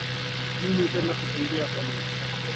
Mimi hupenda kutembea kwa mwendo wa kasi.